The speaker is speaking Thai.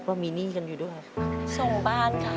ส่งบ้านค่ะ